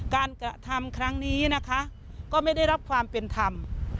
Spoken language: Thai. การกระทำครั้งนี้นะคะก็ไม่ได้รับความเป็นธรรม